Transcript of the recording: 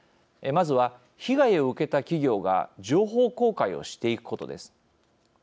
まずは被害を受けた企業が情報公開をしていくことです。